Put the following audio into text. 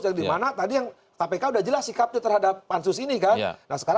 yang di mana tadi yang kpk sudah jelas sikapnya terhadap pansus ini kan